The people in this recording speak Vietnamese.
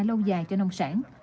lâu dài cho nông sản